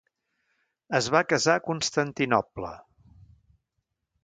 Es va casar a Constantinoble.